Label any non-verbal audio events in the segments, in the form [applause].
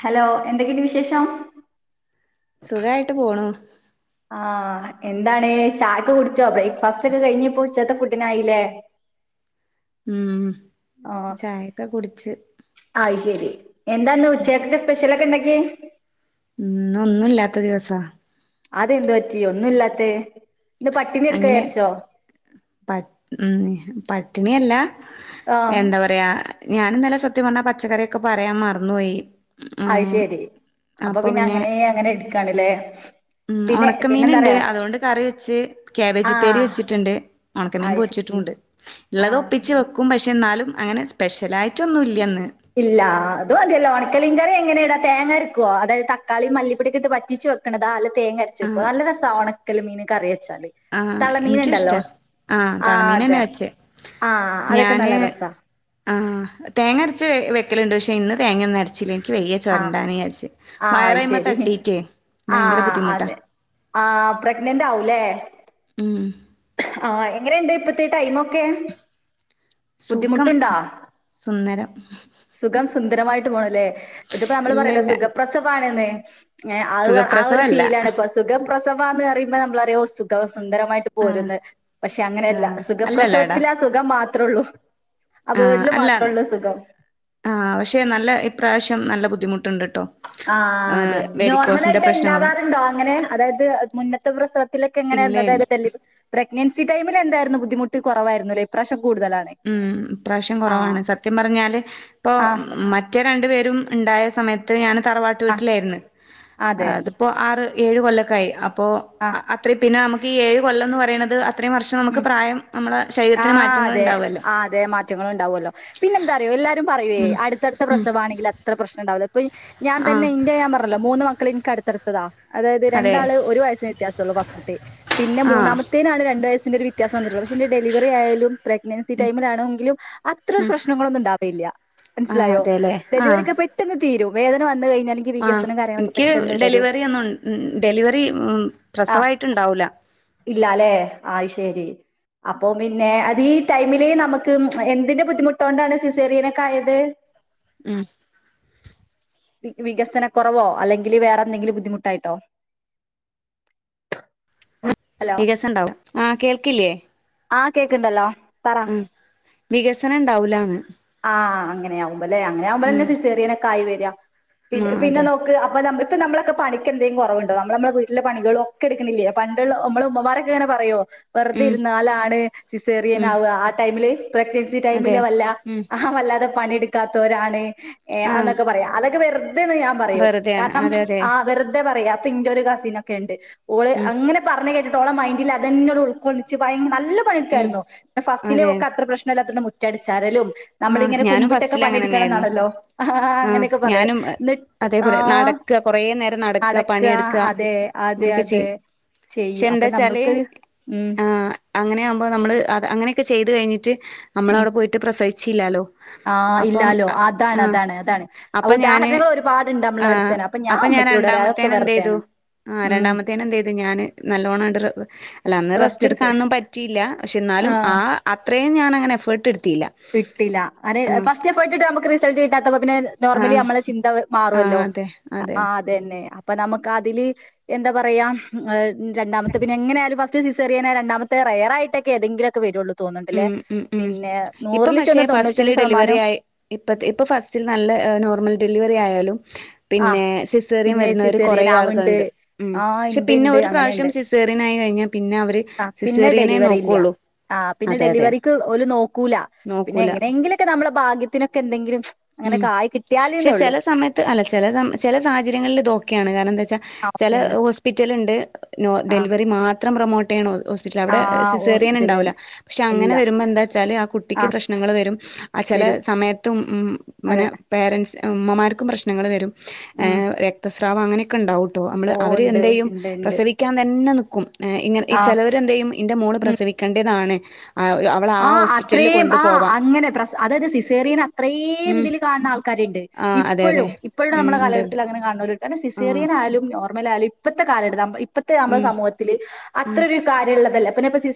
Hello എന്തൊക്കെയുണ്ട് വിശ് വിശേഷം സുഖായിട്ട് പോണു ആ എന്താണ് ചായൊക്കെ കുടിച്ചോ ബ്രേക്ക്ഫാസ്റ്റ് ഒക്കെ കഴിഞ്ഞിപ്പോ ഉച്ചത്തെ പുുഡിനായില്ലേ ഉമ് ചായയൊക്കെ കുടിച്ച് എന്താ ഇന്ന് ഉച്ചക്ക് സ്പെഷ്യലക്കെ ഉണ്ട [unintelligible] ഇന്ന് ഒന്നുംല്ലാത്ത ദിവസാ അതെന്ത് പറ്റി ഒന്നുല്ലാത്തെ അങ്ങനെ പട്ട് ഉം പ ട്ടിണിയല്ല ആ എന്താ പറയാ ഞാനിന്നലെ സത്യം പറഞ്ഞാ പച്ചക്കറിയൊക്കെ പറയാ മറന്നു പോയി അയ്ശെരി അപ്പൊ പിന്നെ അങ്ങനെ അങ്ങനെ എട്ക്കണില്ലേ ഉം ഒണക്കമീൻ ണ്ട് അതോണ്ട് കറി വെച്ച് ക്യാബേജ് ആ ഉപ്പേരി വെച്ചിട്ടിണ്ട് ഒണക്കമീ അത് ശരി പൊരിച്ചിട്ടുണ്ട് ആ ഇള്ളത് ഒപ്പിച് വെക്കും ഒപ്പിച്ച് വെക്കു ക്കും പക്ഷേ ന്നാലും അങ്ങനെ സ്പെഷ്യലായിട്ടൊന്നും ഇല്യ ഇന്ന് ഇല്ല അത് മതിയല്ലോ ഒണക്കലിങ്കറി എങ്ങനെ ഇടാ തേങ്ങ അരക്കുവോ അതായത് തക്കാളി മല്ലിപ്പൊടിക്കെ ട്ട് വറ്റിച്ച് വെക്കണതാ അല്ല തേങ്ങ അരച്ചു വെക്കോ നല്ല രസാ ഒണ വെക്കല് മീന് കറിയ ആ എനിക്കും ഇഷ്ടാ ആ തളമീൻ ന്നെ വെച്ചേ ആ അതൊക്കെ ഞാന് നല്ല രസാ ആ തേങ്ങരച്ച് വെ ക്കലുണ്ട് പക്ഷെ ഇന്ന് തേങ്ങഒന്നും അരച്ചില്ലേ ആ ആ അയ്ശെരി തട്ടീറ്റേ ആ ഭയങ്കര ബുദ്ധിമുട്ടാ അതെ ആ പ്രഗ്നന്റ് ആവൂല്ലേ ഉം ആഹ് എങ്ങനെണ്ട് ഇപ്പത്തെ ഈ ടൈമൊ ക്കെ സുഖം ബുദ്ധിമുട്ട്ണ്ടോ സുന്ദരം സുഖം സുന്ദരമായിട്ട് പോണ് ല്ലേ ഇതിപ്പോ നമ്മൾ ഇല്ല പറയല്ലോ ഇല്ല സുഖപ്രസവാ എന്തെ ഏ ആ ഒരു സുഖപ്രസവല്ല ഫീലാണ് ഇപ്പൊ സുഖപ്രസവാന്ന് പറ മ്മേ നമ്മളറിയോ സുഖവ സുന്ദരം ആഹ് പോരുന്ന് പക്ഷെ അങ്ങനല്ല ആഹ് സുഖപ്രസവത്തിലാസുഖം മാ ത്രൊള്ളൂ ആ അല്ല ആ പക്ഷെ നല്ല ഇപ്രാശം നല്ല ബുദ്ധിമുട്ട്ണ്ട് ആഹ് അതെ നോർമലായിട്ടെ പ്രശ്നങ്ങളും ഇണ്ടാവാറുണ്ടോ അങ്ങനെ അതായത് മുന്നത്തെ പ്രസവത്തിലക്കെ ഇല്ല എങ്ങനാരുന്നു അതായത് ഇല്ല ഡെലിവ പ്ര ഗ്നൻസി ടൈമിൽ എന്തായ്രുന്നു ബുദ്ധിമുട്ട് കുറവായ്രുന്നുലേ ഇപ്രാശ്യം. ഉം ഇപ്രാശ്യം കൊറവാണ് സത്യം പറഞ്ഞാല് ഇപ്പൊ ആഹ് മറ്റേ രണ്ടു പേ രും ഇണ്ടായ സമയത്ത് ഞാൻ തറവാട്ട് ആഹ് വീട്ടിലേര്ന്ന് അതെ അതിപ്പോ ആറ് ഏഴ് കൊല്ലക്കായി അ പ്പോ ആഹ് അത്രയും പിന്നെ നമു ക്കീ ഏഴ് കൊല്ലം ന്ന് പറിണത് അ ത്രയും വർഷം ഉം. നമുക്ക് പ്രായം നമ്മളെ ശരീരത്തിന് ആഹ് മാറ്റങ്ങൾ അതെ ഉണ്ടാവ ആഹ് അതെ മാറ്റങ്ങള് ഉണ്ടാവൊല്ലോ. പിന്നെന്താറിയോ എല്ലാരും പറയുവെ ഉം അടുത്തടുത്ത പ്രസവാണെങ്കില് അത്ര പ്രശ്നം ണ്ടാവില്ല പോയ്‌ ഞാൻ തന്നെ ആഹ് ഇന്റെ ഞാൻ പറഞ്ഞല്ലോ മൂന്ന് മക്കളിൻക്ക് അടുത്തടുത്തതാ അതായത് അതെ രണ്ടാള് ഒരു വയസ്സിന് വ്യത്യാസം ഒള്ളൂ ഫസ്റ്റ് ത്തെ. പിന്നെ ആഹ് മൂന്നാമത്തേനാണ് രണ്ട് വയസ് ൻ്റാര് വിത്യാസം വന്നിട്ടൊള്ളു പക്ഷെ ന്റെ ഡെിവറി യായാലും പ്രഗ്നൻസി ടൈമിലാണെങ്കിലും അത്ര ഒരു പ്രശ്നങ്ങളൊന്നും ഉണ്ടാവേല്ല ആഹ് മനസ്സിലായോ അതെല്ലേ ആഹ് ഡെലിവറിക്കെ പെട്ടന്ന് തീരു വേദന വന്ന് കഴിഞ് ആഹ് ഇൻക്ക് ഡെലിവറി അന്നും ഡെലിവറി ആ പ്രസവായിട്ട് ഇണ്ടാവൂലാ അഹ് ശെരി അപ്പൊ പിന്നെ അത് ഈ ടൈമില് നമക്ക് എന്തിന്റെ ബുദ്ധിമുട്ടോണ്ടാണ് സിസേറിയനൊക്കെ ആയത് ഉം വി വികസനക്കൊറവോ അല്ലെങ്കില് വേറെന്തെങ്കിലും ബുദ്ധിമുട്ടായിട്ടോ ഹലോ വികസം ഇണ്ടാവൂ ആഹ് കേൾക്കില്ലേ ആഹ് കേക്ക്ണ്ടല്ലോ പറ ആ വികസനം ഉണ്ടാവൂലാന്ന് അങ്ങനെയാവും അല്ലെ അങ്ങനെ ആവുമ്പോളന്നെ ഉം സിസേറിയനോക്കെ ആയിവ യ്യ ആ പിന്നെ പിന്നെ അതെ നോക്ക് അപ്പൊ ഞ ഇപ്പൊ നമ്മളെ പണിക്കെന്തങ്കും കുറവ്ണ്ടോ നമ്മള് ള് വീട്ടിലെ പണികളും ഒക്കെ എടുക്കുന്നില്ലേ പണ്ടള്ള മ്മള് ഉമ്മമാരൊക്കെ ഇ പറയോ വെറുതെ ഉം ഇരുന്നാലാണ് സിസേറിയൻ ഉം ആവ്വ ആ ടൈമില് പ്രഗ്നൻസി അതെ ടൈമില് വല്ല ഉം വല്ലാതെ പണിഎടുക്കാത്തവരാണ് ഏ ആ അന്നൊക്കെ പറയാം അതൊക്കെ വെറ് ത് ഞാൻ പറയും വെറുതെയാണ് കാരണം അതെ അതെ ആ വെറുതെ പറയാ പ്പിന്റെ ഒരു കസിനൊക്കെ ഇണ്ട് ഓള് ഉം അങ്ങനെ പറഞ്ഞ കേട്ട് ട്ടൊളെ മൈന്റിലാ അതന്നെ ഓള് ഉൾക്കൊള്ളിച്ച് ഭയ നല്ല ഉം പണിയെടുക്കാരുന്നു പിന്നെ ഫസ്റ്റിലെ അതെ ഒക്ക് അത്ര പ്രശ്നല്ലാത്തോണ്ട് മു റ്റടിച്ചാരലും ആ നമ്മളിങ്ങനെ ഞാനും കുമ്പിട്ടൊക്കെ ഫസ്റ്റില് അങ്ങനെ പണിയെടുക്കണം തന്നെയായിരുന്നു ന്നാണല്ലോ ആ് ആ അങ്ങനെയൊക്കെ പറയൂ ഞാനും ന്നിട്ട് ആ അതേപോലെ നടക്കുക കൊറേ നേരം നടക്കുക അടക്ക പണിയെടുക്കുക അതെ -അതെ -അതെ ചെയ്യൂ അപ്പൊ നമ്മൾ- ആ് -അങ്ങനെയാവുമ്പോ നമ്മള് അ അങ്ങനെയൊക്കെ ചെയ്ത് കഴിഞ്ഞിട്ട് ഉം നമ്മളവിടെപോയിട്ട് പ്രസവി ചിലാലോ ആ അപ്പം ഇല്ലാലോ അതാണ് ആ അതാണ് അതാണ് ആ -അപ്പൊ ഞാന് ഉദാഹരണങ്ങൾ ഒരുപാടുണ്ട് ആ നമ്മളെ അടുത്ത് തന്നെ -അപ്പൊ ഞാൻ ഉമ്മച്ചിയോട് പറയാം അതൊക്കെ രണ്ടാമത്തേനന്ത് ചെയ്തു വെറുതെയാണ് ആ് ഉം രണ്ടാമത്തേന ന്ത് ചെയ്തു ഞാാന് നല്ലോണംണ്ട് അല്ല അന്ന് റെസ്റ്റ് എടുത്ത് റസ്റ്റ്െടുക്കണൊന്നും പറ്റിയില്ല പക്ഷെ ന്നാലും ആ അത്ര ഞാന അങ്ങെനേ ഫർട്ട് എടുത്തില്ല കിട്ടില്ല അരെ ആഹ് ഫസ്റ്റ് എഫെർട്ടിട്ടാ നമക് റിസ് ചേട്ടാ അപ്പൊപിന്നെ നോർമലി ആഹ് നമ്മളെ ചിന്ത മാറ്വല്ലോ ആഹ് അതെ അതെ ആ അതന്നെ നമുക്കതില് എന്താ പറയാ രണ്ടാമത്തെ പിന്നെ എങ്ങനായാലും ഫസ് സിസേറിയനാ രണ്ടമത്തെ റയറായിട്ടൊക്കെ തെങ്കിലുക്കെ വരുള്ളൂ ഉം തോന്നണ്ടല്ലേ ഉം ഉം പിന്നെ ഇപ്പം നൂറില് പക്ഷെ ചെന്ന് ഫസ്റ്റില് തൊണ്ണൂറ്റൊന്ന് ഡെലിവറി ശതമാനം ആയ ഇപ്പ ഇപ്പ ഫസ്റ്റിൽ നല്ല നോർമൽ ഡെലിവ വറി ആയാലും ആ പിന്നെ സിസേറിയൻ പിന്നെ വരുന്നവര് കൊറെേ സിസേറിയൻ ആവുണ്ട് ആളുകളുണ്ട് ഉം ആ ക്ഷെ ഇണ്ട് പിന്നെ ഇണ്ട് ഒരു പ്രാവശ്യം അങ്ങനെയുണ്ട് സിസേറിയനാ യി കഴിഞ്ഞാ പിന്നെ അവര് ആ പിന്നെ സിസേറിയനെ ഡെലിവറി ഇല്ല നോക്കുള്ളു. ആ പിന്നെ ഡെലിവറിക്ക് ഓല് നോക്കൂല പിന്നെ നോക്കൂല എങ്ങനെങ്കിലൊക്കെ ന നമ്മുടെ ഭാഗ്യത്തിനക്കെന്തെങ്കിലും- ച്ച് ഉം -ക്ഷെ ചില സമയത്ത് അല്ല ചില സമ ചില സാഹചര്യങ്ങളില് ഇതോക്കെ യാണ് കാരണംന്താ ആ ചില ഓക്കെയാണ് ഹോസ്പിറ്റലണ്ട് നോ ആ ഡെലിവറി മാ [unintelligible] പ്രൊമോട്ടയ്യണത് ഹോസ്പിറ്റൽ ആ അവിടെ സിസേറിയൻ ഹോസ്പിറ്റല് ണ്ടാവൂല പക്ഷെ ഇല്ല അങ്ങനെ വരുമ്പന്താ ച്ചാല് ആ കുട്ടിക്ക് പ്രശ്നങ്ങൾ വരും ആ ചെല വരും സമയത്തും ഉ- മ്മ് - മന അതെ പേരൻ ഉമ്മമാർക്കും പ്രശ്നങ്ങൾ വരും ഏ ഉം രക്തസ് [unintelligible] സ്രാവ ങ്ങനൊക്കെണ്ടാവും നമ്മള് ഓ അവര് ഉണ്ട് എന്തേയ്യും ഉണ്ട് ഉണ്ട് പ്രസവിക്കാൻ തന്നെ നിക് കും ഇങ്ങ ഈ ആഹ് ചിലവരെന്തേയ്യും ഇൻ്റെ മോള് പ്രസവിക്കേണ്ട്യതാണ് ആ അത്രേയും ആ- പോവാം അങ്ങനെ പ്രസ അതാത് സിസേറിയൻ അത്രേയും [unintelligible] ഉം ഇതിൽ കാണുന്ന ആൾക്കാരുണ്ട് ആഹ് അതെ അതെ ഇപ്പോഴും ഇപ്പോഴും ഉം നമ്മുടെ ഉണ്ട് ഉണ്ട് കാലഘട്ടത്തിൽ അങ്ങനെ കാണുന്നവര് കാരണം ആഹ് സിസേറിയന ആലും ഇപ്പത്തെ കാല എടുത്ത് ഇപ്പഴത്തെ നമ്മുടെ ഉം സമൂഹത്തില് ഉം അത്രരു കാര്യമുള്ളതല്ല.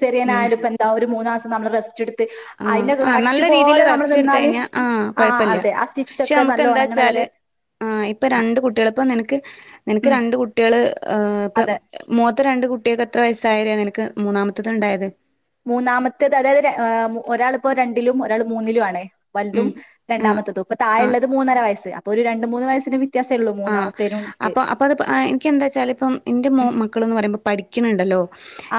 സെറിയനായാല ഇപ്പ എന്താ ഒരു മൂ നമ്മ വെസ് ആ ആഹ് നല്ല രീതിയിൽ റസ്റ്റ് എടുത്ത നിന്നാല് കഴിഞ്ഞാൽ ആഹ ആഹ് കൊഴപ്പില്ല അതെ ആ പക്ഷെ സ്റ്റിച്ചൊക്കെ നമുക്ക് നല്ല എന്താ ഒണങ്ങണ വച്ചാല് വരെ ആ ഇപ്പ ആ, രണ്ട് കുട്ടികൾ ഇപ്പ നിനക്ക് നിനക്ക് രണ്ട കുട്ടികള് ഇപ്പ ഉം മൂത്ത രണ്ട് കു [unintelligible] എത്ര വയസായി മൂന്നാമത്തേത് അതായത് ഒരാളിപ്പോ രണ്ടിലും ഒരാൾ മൂന്നിലും ആണേ? വലുതും ഉം ആഹ് രണ്ടാമത്തത് ഇപ്പൊ താഴ ആഹ് ഉള്ളത് മൂന്നര വയസ്സ് അ ഒരു രണ്ട് മൂന്ന് വയസി ആ അപ്പൊ അപ്പ അത് എനിക്ക് എന്താ വച്ചാല ഇപ്പ എന്റെ ഉം. മക്കള എന്ന് പറയുമ്പോഠ അമ്മയുണ്ടേലോ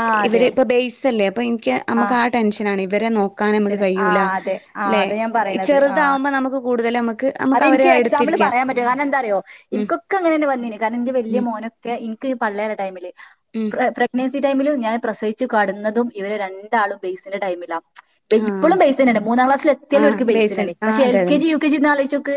ആഹ് അതെ. ഇവര് ഇപ്പൊ ബെയസ്ല്ലേ പ [unintelligible] നമക്ക് ആഹ് ആ ടെൻഷൻ ആണ ഇവരെ നോക്കാൻ നമുക്ക് ഈശ്വരൻ. കഴിയൂല ആഹ് അതെ. ആഹ് അല്ലെ അതാ ഞാൻ ഈ പറയണത്. ആഹ്. ചെറുതാവുമ്പോ നമുക്ക് കൂടുതല നമക്ക് നമുക്ക് അവരെ എടുത്തിരിക്കാം എനിക്കൊക്കെ അങ്ങനെ വന്നില്ല കാരണം എനിന്റെ വലിയ ഉം മോനൊക്കെ- പള്ളിയുടെ ഇടയിലെ ഉം പ്രെഗ്നെൻസി ടൈമില ഞാൻ പ്രസഹിച്ചു കാടുന്നതും ഇവര് രണ്ടാളും ബെയ്സിന്റെ ടൈമിലാണ് ഇപ്പോഴും ആഹ് പൈസ തന്നെയാണ് മൂന്നാം ക്ലാസി ആഹ് എത്തിയാലുംർക്ക് പൈസ ബേസൻ താണ് പക്ഷ ആഹ് എൽ അതെ കെ അതന്നെ ജി യു കെ ജി എന്നന്ന് ആോക്ക്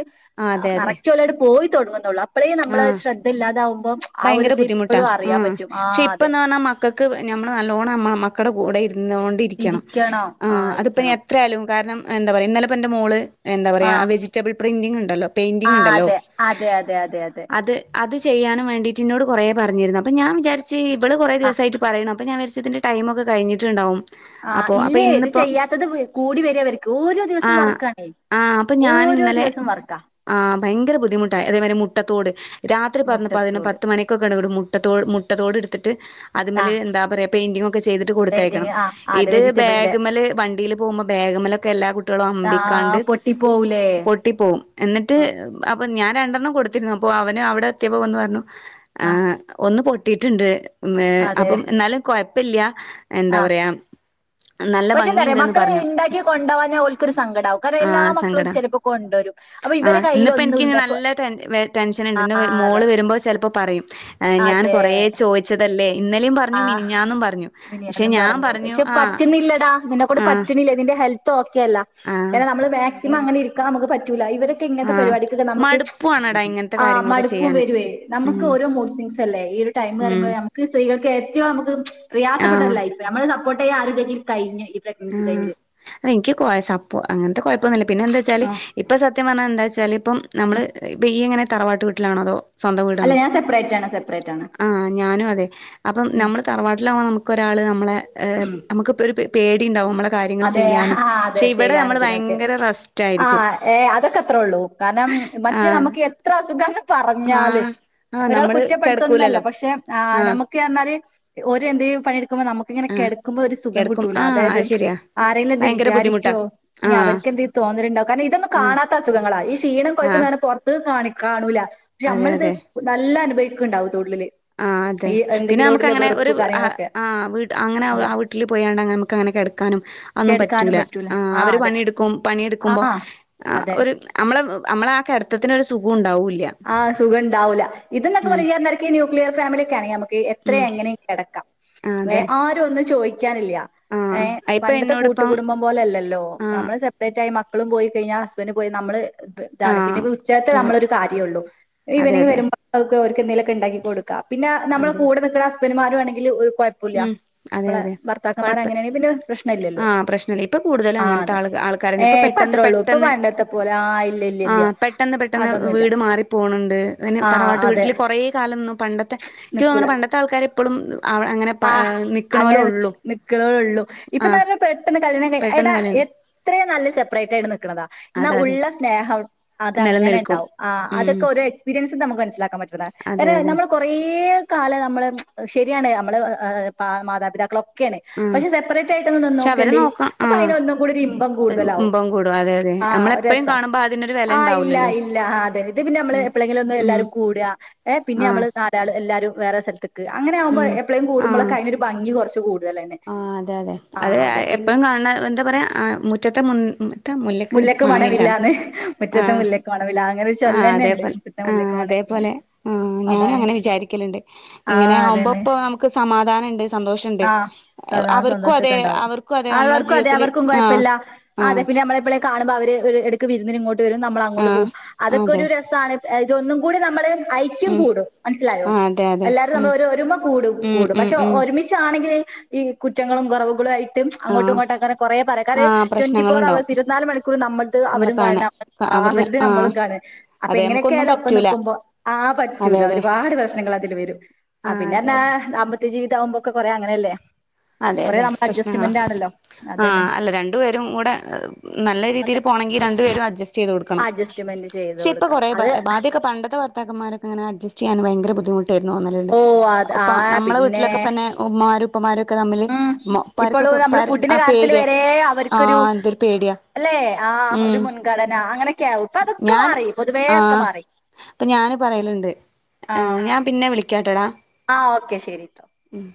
കറക്റ്റ്ലോട്ട് പോയി തുടങ്ങുന്നുള്ളൂ അപ്പോഴേ നമ്മള് ആഹ ശ്രദ്ധ ഇല്ലാതാവുമ്പം ആ ഒരു ഭയങ്കര ഇത് ബുദ്ധിമുട്ടാ ഇപ്പോഴും ആ അറിയാൻ പറ്റും ആ പക്ഷെ അതെ ഇപ്പന്ന് പറഞ്ഞാ മക്കൾക്ക് ഞമ്മള് നല്ലോണംമ്മ മക്കളുടെ കൂടെ ഇ ചൊറിഞ്ഞുന്നൊണ്ടിരിക്കണം ഇരിക്കണോ ആ അതിപ്പനി ഇരിക്കണം എത്രയാലും കാരണം എന്താ പറയുക ഇന്നലെ തന്നെ മോള് എന്താ ആ പറയയാ വെജിറ്റബിൾ പ്രിന്റിംഗങ് ഉണ്ടല്ലോ ആ പെയിന്റിംഗ് ഉണ്ടല്ലോ അതെ അതെ അതെ അതെ അതെ അതെ അത് അത് ചെയ്യാനും വേണ്ടീട്ടി ഇനോട് കൊറേ പറഞ്ഞിരുന്നു അപ്പൊ ഞാൻ വിചാരി ഇവള് കൊറെ ആ ദിവസയിട്ട് പറയണം അപ്പ ഞാൻ വിചാരിച്ച് ഇതിന്റെ ടൈമൊക്കെ കഴിഞ്ഞട്ടുണ്ടാവും ആ ഇല്ലേ ഇത് ചെയ്യാത്തത് കൂടി വരാ അവർക്ക് ഓരോ ദിവസം ആഹ് വർക്കാണേ ആഹ് അപ്പൊ ഞാൻ ഓരോ ഇന്നലെ ദിവസം വർക്കാ തോട് രാത്രി പറഞ്ഞ് പതിനൊ മുട്ടത്തോട് പത്ത് മണിക്കൊക്കെ ഇവിടെ മു മുട്ടത്തോ മുട്ടതോട് എട്ടുത്തിട്ട് എടുതിട്ട് ആ അതിമല് എന്താ പറയാ പെയിന്റിങ്ങും ഒക്കെ ചെയ്തിട്ട് കൊടുത്തയക്കണം പെയിന്റിങ് ആ ആ, അതെ ഇത് വെജിറ്റബിളിന്റെ ബാഗ് മല് വണ്ടില് പോകുമ്പോ ബാഗ് മലൊക്കെ എല്ലാ കുട്ട്യേളും ആ അമ്പിക്കാണ്ട് പൊട്ടിപ്പോവൂലേ പൊട്ടി പോകും എന്നിട്ട് ഉം, അപ്പ് ഇപ്പ ഞാൻ രണ്ടെണം കൊട് എത്തിരുന്നു അപ്പോ അവന് അവിടെ എത്തിയപ്പോൾ വന്നു പറഞ്ഞു ആ ഒന്ന് പൊട്ട് കിട്ടിയിട്ട്ണ്ട് മ് അതെ അപ്പം എന്നാലും കൊഴ ഇപ്പില്ല്യാ എന്താ ആ പറയാ നല്ല പക്ഷെ എന്താന്നറിയോ ഭംഗിയുണ്ട്ന്ന് മക്കള് പറഞ്ഞു ഇണ്ടാക്കി കൊണ്ടോവാഞ്ഞാല് ഓൽക്കൊരു സങ്കടാവും കാരണം എല്ലാ ആഹ് മക്കളും സങ്കട ചെലപ്പോ കൊണ്ടൊരും അപ്പൊ ഇവരെ കയ്യിൽ ഒന്നും ഇല്ല അപ്പ ട്യൂഷനുണ്ട് ഇന്ന് മോള് വരുമ്പോ ചെലപ്പോ പറയും ഞാൻ അതെ കൊറേ ചോയ്ച്ച തല്ലേ ആ പക്ഷെ മിനിഞ്ഞാന്നും ഞാൻ പറഞ്ഞു പക്ഷെ ആഹ് പറ്റ്ണ്ല്ലടാ നിന്നെകൊണ്ട് ആഹ് പറ്റ്ണ്ല്ല നിന്റെ ഹെൽത്ത് തോ ക്ക്യല്ല ആഹ് പിന്നെ നമ്മള് മാക്സിമം അങ്ങനെ അതുകൊണ്ടായിരിക്കും ഇരിക്കാം നമ്ക്ക് പറ്റ് ജുലൈ ഇവരൊക്കെ ഇങ്ങനത്തെ ആഹ് പരിപാടിക്ക്‌ നമുക്ക് മടുപ്പുവാണെടാ ഇങ്ങനത്തെ ആ കാര്യങ്ങളൊക്കെ മടുപ്പും ചെയ്യാന് വരെ ഉം നമ്ക്ക് ഓരോ മൂഡ്സെൻസല്ലേ ഈ ഒരു ടൈമ് ന്ന് ഉം പറയുമ്പോ നമുക്ക്‌ സ്ത്രീകൾക്ക് ഏറ്റവും നമുക്ക് പ്രയാസപ്പെട്ടല്ല ആഹ് ലൈഫ് നമ്മള് സപ്പോർട്ട് പ്പ ആരുല്ലങ്കിൽ കഴിഞ്ഞ് ആ ഇൻക്ക് കൊറെ സപ്പോർട്ട് അങ്ങൻത്തെ കൊഴ ഇപ്പൊന്നുല്ല ഇപ്പൊന്നൂല പിന്നെന്താച്ചാല് ഇപ്പൊ സത്യം പറഞ്ഞാ എന്താച്ചാല് ഇപ്പം നമ്മള് ഇയ്യ് എങ്ങനെ തറവാട്ട് വീട്ടിലാണോ അതോ സ്വന്തം അല്ല വീടിണോ ഞാൻ സെപ്പറേറ്റ് ആണ് സെപ്പറേറ്റ് ആണ് ആഹ് ഞാനും അതെ അപ്പം ഉം നമ്മള് തറവാട്ടിലാവ്മം നമുക്ക് ഒരാള് മ്മളെ എ ഉം നമുക്ക് ഇപ്പൊ ഒരു പെ പേട് ടിയുണ്ടാവും അതെ ആ അതെ ചെയ്യാനും നമ്മള് ഇതിനൊക്കെ ഭയങ്കര റെസ്റ്റ് ആ ആയിരിക്കും ഏ അതൊക്കെ അത്രേ ഉള്ളൂ കാരണം മറ്റേ ആഹ് നമുക്ക് എത്ര അസുഖം ആന്ന് പറഞ്ഞാലും ആഹ് ആഹ് ഒരാൾ നമ്മള് കുറ്റപ്പെടുത്തുന്നല്ല കെടക്കൂലല്ലോ പക്ഷെ ആ ആഹ് നമുക്ക് എന്നാല് ഓര് എന്തേലും പണിയെടു ക്കുമ്പം ആഹ് നമുക്കിങ്ങനെകിടക്കുമ്പോ ഒരു സുഖം കെടക്കും കിട്ടൂലേ ആഹ് അതായത് അത് ശരിയാ ആരെങ്കിലും എന്ത് ഭയങ്കര ബുദ്ധിമുട്ടാ വിചാരിക്കുവോ ഇനി ആഹ് അവർക്ക് എന്തെ തോന്നലുണ്ടോ കാരണം ഇതൊന്നും ആഹ് കാണാത്ത അസുഖങ്ങളാ ഈ ക്ഷീണം ആഹ് കൊയ്ക്കുന്നെ പുറത്ത് കാണി കാണൂല പക്ഷെ അതെ അമ്മളിത് അതെ നല്ല അനുഭവി ക്കുണ്ടാവും ആഹ് അതെ പിന്നെ നമുക്ക് അങ്ങനെ ഒരു വെറുപ്പ് അ കാര്യങ്ങളൊക്കെ ആ വീട്ട് അങ്ങനെ അതെ ആ വീട്ടില് പോയാണ്ടെ നമുക്ക് അങ്ങനെ കെടക്കാൻ നും അതൊന്നും കെടക്കാനും പറ്റൂല ആഹ് ആ അവര് അതെ പണി ഇടുക്കും ആ പണിയെടുക്കുമ്പോ അ അതെ. ഒരു അമ്മള് അമ്മളെ ആ കെടത്തത്തിന് ഒരു സുഖം ഇണ്ടാവൂല ആഹ് സുഖംണ്ടാവുല്ല ഇത് ന്നൊക്കെ പറഞ്ഞ [unintelligible] ന്യൂക്ലിയർ ഫാമിലിക്കാണങ്കി നമക്ക് എത്ര ഉം എങ്ങനെ കെടക്കാം ആഹ് എ അതെ ആരും ഒന്നും ചോയ്ക്ക ക്ക്യാനില്ല ഏ ആഹ് ഇപ്പൊ പണ്ടത്തെ കൂട്ട് എന്നോടിപ്പം കുടുംബം പോലെയല്ലല്ലോ ആഹ് നമ്മള് സെപ്പറേറ്റ് ആയി മ ക്കളും പോയി കഴിഞ്ഞാ ഹസ്ബന്റും പോയി നമ്മള് ഇതാണ് പിന്നെ ആഹ് ഇപ്പ ഉച്ചത്തെ പിന്നെ നമ്മളൊരു കാര് ഒള്ളു അതെ ഈവെനിംഗ് അതെ വരുമ്പ ഓർക്ക് എന്തേലൊക്കെ ഇണ്ടാക്കി കൊടു ക്കാ പിന്നെ നമ്മള് അതെ കൂടെ നിക്കണ ഹസ് ബൻഡ്മാരുവാണെങ്കില് ഒരു കുഴപ്പൂല്ല്യ. ഉം അതെ നമ്മളെ അതെ ഭർത്താക്കന്മാര് കൊഴപ്പ അങ്ങനെണെങ്കി പിന്നെ പ്രശ് ആഹ് പ്രശ്നല്ല. ഇപ്പൊ കൂടുതലും അങ്ങനത്തെ ആള് ആൾക്കാരന്നെ ഏ ഇപ്പ ഇപ്പൊ പെട്ടെന്ന് അത്രേ ഉള്ളൂ ഇപ്പൊ പെട്ടെന്ന് പണ്ടത്തെ പോലെ ആ ഇല്ല ഇല്ല ആ ഇല്ല പെട്ടെന്ന് പെട്ടെന്ന് അതൊന്നുമില്ല വീട് മാറി പോണ് ണ്ട്. പിന്നെ ആ തറവാട്ട് അതെ വീട്ടിൽ കുറേ കാലം ന്നു പണ്ടത്തെ ഇക്ക് തോന്നുണു പണ്ടത്തെ ആൾക്കാരെ ഇപ്പളും അങ്ങനെ പ ആഹ് നിക്കണോലെ അങ്ങനെ ന് ഒള്ളൂ നിക്ക്ണോലൊള്ളൂ. ഇപ്പൊ ആഹ് നല്ല പെട്ടെന്ന് കല്യാണം കഴിഞ് പെട്ടെന്ന് എടാ കല്യാണം എത്രയും നല്ല സെപ്പറേറ്റ് ആയിട്ട് നിക്ക്ണതാ എന്നാ അതെ അതെ ഉള്ള സ്നേഹം അത അങ്ങനെ നിലനിൽക്കും ണ്ടാവും. ആഹ് ഉം അതൊക്കൊരോ എക്സ്പീരിയൻ സ്ന്ന് നമുക്ക് മനസിലാ ക്കാൻ പറ്റ്ണതാണ്. അതെ കാരണ അതെ നമ്മൾ കൊറേ കാല നമ്മള് ശരിയാണ് മ്മള് മാതാപിതാക്കളൊ ക്കേണ്. ആഹ് പക്ഷെ സെപ്പറേറ്റ് ആയിട്ടൊന്ന് പക്ഷെ അവരെ നിന്നോക്കണ്ടി. നോക്കണം അപ്പയിന് ആഹ് ഒന്നും കൂടി ഇമ്പം കൂടുതലാവും. ഇമ്പം കൂടും അതെ അതെ ആഹ് ഒര് നമ്മളെപ്പഴും രസാ. കാണുമ്പോ അതിനൊരു വെല ആഹ് ഇല്ല ഇണ്ടാവൂലല്ലോ ഇല്ല അതെ ഇത് പിന്നെ നമ്മള് അതെ എപ്പളെങ്കിലും ഒന്ന് ഉം എല്ലാരും കൂടാ ഏഹ് പിന്നെ ആഹ് നമ്മള് നാലാള് എല്ലാരും വേറെ സ്ഥല്ത്ത് ക്ക് അങ്ങനെയാകുമ്പോ ഉം എ ആഹ് കൂടുമ്പളൊക്കെ അയ്നൊരു ഭംഗി ങ്ങി കൊർച്ച് കൂ ആ അതെ അതെ അതെ എപ്പഴും കാണ് ണ എന്താ പറയാ മു റ്റത്ത് മുൻ മുല്ലക്ക്‌ മണമില്ലാന്ന് ആ മുറ്റത്തെ മുല്ലക്ക്‌ മണമില്ല അങ്ങനെ ആ ചൊല്ലന്നെണ്ട് അതേപോലെ മുറ്റത്തെ ആ മുല്ലക്ക് മണമില്ലാന്ന് അതേപോലെ ആ ഞാനും അതാണ് അങ്ങനെ വിചാരിക്കല്ണ്ട് ഇങ്ങനെ ആഹ് ആവുമ്പോ അതന്നെ പ്പോ നമുക്ക് സമാധാനണ്ട് സന്തോഷണ്ട് ആഹ് സദാ അവർക്കും സന്തോഷൊക്കെ അതെ ഉണ്ടാവും അവർക്കും അതെ നമ്മളെ അവർക്കും അതെ ജീവിതത്തില് അവർക്കും ആ കുഴപ്പല്ല ആ ആഹ് അതെ പിന്നെ നമ്മളെ എപ്പളേലും കാണുമ്പോ അവ ഒരു എടക്ക് വിര്ന്ന്ന് ഇങ്ങോ ട്ട് വെരും നമ്മൾ ആ അങ്ങോട്ട് പോകും അതൊക്കൊരു അതെ രസാണ് ഇതൊന്നും കൂടി നമ്മള് ഐക്യം ഉം കൂടും മനസ്സിലായോ ആ അതെ അതെ എല്ലാവരും ഉം നമ്മൾ ഒരുമ കൂടും ഉം കൂടും ഉം പക്ഷെ ഉം ഒരുമിച്ചാണെങ്കി ഈ കുറ്റങ്ങളും കൊറവുകളായി ആ അങ്ങോട്ടുംങ്ങോട്ടും അങ്ങന കൊറേ ആ പറയും ട്വന്റി ഫോർ പ്രശ്നങ്ങളുണ്ടാവും അവേഴ്സ് [unintelligible] നമ്മ്ള്ത് അവരും കാണ അവര് അവര്ത് ആ നമ്മളും കാണ അപ്പൊ അതെ ങ്ങനൊക്കെ നമുക്കൊന്നും ആയാലും ഒപ്പം പറ്റൂല നിക്കുമ്പോ ആ അതെ പറ്റൂല അതെ ഒരുപാട് പ്രശ്നങ്ങൾ അതില് വെരും ആ പിന്നെ അതെ ന്ന് അതെ പർഞ ത്യ ജീവിതൊക്കാവുമ്പോക്കെ കുറെ അങ്ങനല്ലേ അതെ അതെ പ്രശ്നങ്ങള് ആ അതന്നെ. അല്ല രണ്ടു പേരും കൂടെ നല്ല രീതില് പോണെങ്കിൽ രണ്ടു പേരു അഡ് ചെയ് കൊടുക്കണം അഡ്ജസ്റ്റ്മെന്റ് ചെയ്ത് ക്ഷെ ഇപ്പൊ കൊടുക്കണം. കൊറെ അത് ബാദ്യയൊക്കെ പണ്ടത്തെ വർത്താക്കന്മാരൊക്കെങ്ങനെ അഡ്ജസ്റ്റ് ചെയ്യാൻ ഭയങ്കര ബുദ്ധിമുട്ട് [unintelligible] തോന്നല്ണ്ട് ഓ അത് ആ ഇപ്പ നമ്മളെ പിന്നെ വീട്ടിലൊക്കെന്നെ ഉമ്മാരും ഉപ് കുമാര് ക്കെ തമ്മില് ഉം ഇപ്പളും ഇപാരക്കൊക്കെ. നമ്മള് ഇപ്പാരെ ആ ഫുഡിന്റെ കാര്യത്തിൽ പേട്യ വരെ ആഹ് എന്തൊരു പേട്യ ആഹ് ഒരു മുൻഗണന അങ്ങനെയൊക്കെ ആവും ഇപ്പൊ അതൊക്കെ ഞാൻ മാറി പൊതുവേ ഒക്കെ ആഹ് മാറി അപ്പൊ ഞാന് പറയല്ണ്ട് ആഹ് ഞാൻ പിന്നെ വിളിക്കാ ട്ടൊടാ ആ ഓക്കെ ശെരിട്ടൊ ഉം